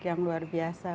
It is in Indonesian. yang luar biasa